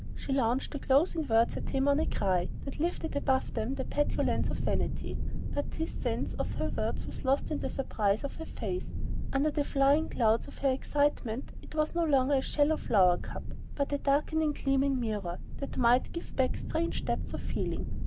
She launched the closing words at him on a cry that lifted them above the petulance of vanity; but his sense of her words was lost in the surprise of her face. Under the flying clouds of her excitement it was no longer a shallow flower cup but a darkening gleaming mirror that might give back strange depths of feeling.